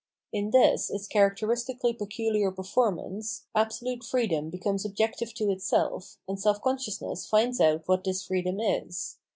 In this its characteristically peculiar performance, absolute freedom becomes objective to itself, and self consciousness finds out what this freedom is.